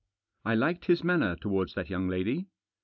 I liked his manner towards that young lady.